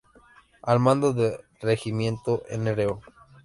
Al mando del Regimiento Nro.